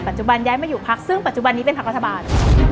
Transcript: จุบันย้ายมาอยู่พักซึ่งปัจจุบันนี้เป็นพักรัฐบาล